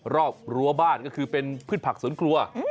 รั้วบ้านก็คือเป็นพืชผักสวนครัว